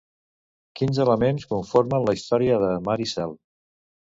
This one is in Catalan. Quins elements conformen la història de Mar i cel?